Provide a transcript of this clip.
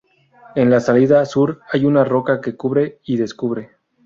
En la salida sur hay una roca que cubre y descubre.